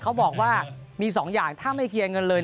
เขาบอกว่ามี๒อย่างถ้าไม่เคลียร์เงินเลย